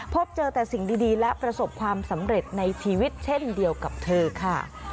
พบเจอแต่สิ่งดีและประสบความสำเร็จในชีวิตเช่นเดียวกับเธอค่ะ